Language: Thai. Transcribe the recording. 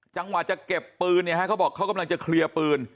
จังหวะจะเก็บปืนเนี่ยฮะเขาบอกเขากำลังจะเคลียร์ปืน